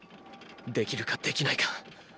できるかできないか。